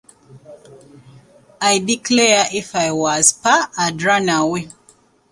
I declare if I was Pa, I'd run away.